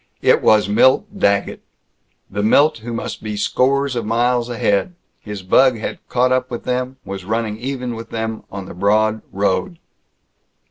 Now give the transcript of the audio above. It was Milt Daggett the Milt who must be scores of miles ahead. His bug had caught up with them, was running even with them on the broad road.